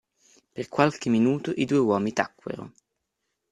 Per qualche minuto i due uomini tacquero.